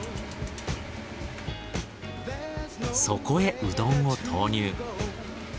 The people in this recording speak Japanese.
そこへうどんを投入。